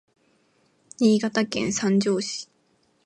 Niigataken sanjo si